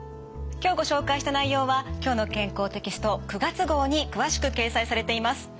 今日ご紹介した内容は「きょうの健康」テキスト９月号に詳しく掲載されています。